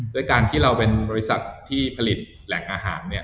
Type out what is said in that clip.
ด้วยการที่เราเป็นบริษัทที่ผลิตแหล่งอาหาร